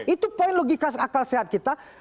itu poin logika akal sehat kita